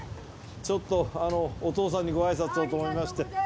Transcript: ちょっとお父さんにごあいさつをと思いまして。